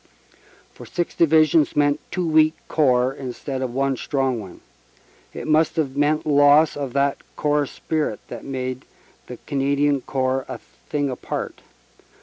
For six Divisions meant two weak Corps instead of one strong one. It must have meant loss of that corps spirit that made the Canadian Corps a thing apart.